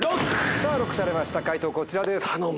さぁＬＯＣＫされました解答こちらです。